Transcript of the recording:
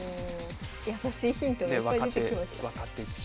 やさしいヒントがいっぱい出てきました。